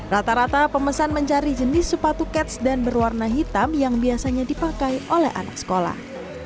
rata rata pemesan mencari jenis sepatu cats dan berwarna hitam yang biasanya dipakai oleh anak sekolah